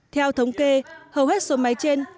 theo thống kê hầu hết số máy trên